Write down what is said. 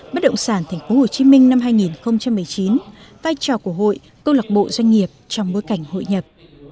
bất động sản thành phố hồ chí minh năm hai nghìn một mươi chín vai trò của hội câu lạc bộ doanh nghiệp trong bối cảnh hội nhập